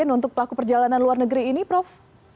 untuk pelaku perjalanan luar negeri ini prof